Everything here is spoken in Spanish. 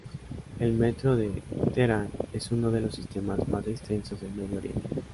El metro de Teherán es uno de los sistemas más extensos del Medio Oriente.